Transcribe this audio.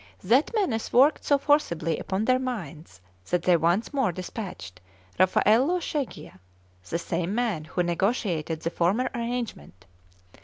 That menace worked so forcibly upon their minds that they once more despatched Raffaello Schegcia, the same man who negotiated the former arrangement.